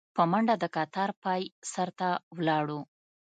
په منډه د کتار پاى سر ته ولاړو.